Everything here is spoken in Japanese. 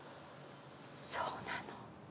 そうなの。